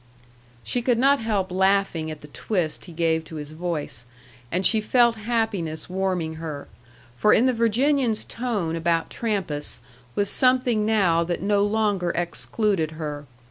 She could not help laughing at the twist he gave to his voice. And she felt happiness warming her; for in the Virginian's tone about Trampas was something now that no longer excluded her.